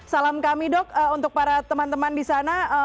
salam kami dok untuk para teman teman di sana